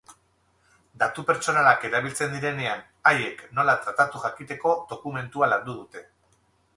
Datu pertsonalak erabiltzen direnean haiek nola tratatu jakiteko dokumentua landu dute.